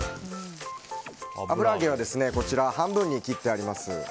油揚げは半分に切ってあります。